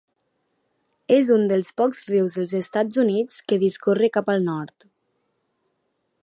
És un dels pocs rius dels Estats Units que discorre cap al nord.